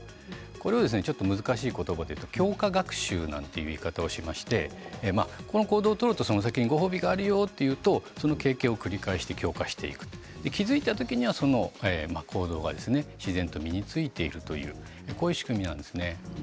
これをちょっと難しいことばで言うと強化学習なんて言い方をしましてこの行動をとるとその先にご褒美があるよというその経験を繰り返して強化していく気付いたときには行動が自然と身についているというこういう仕組みなんですね。